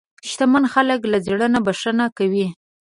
شتمن خلک له زړه نه بښنه کوي.